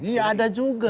ya ada juga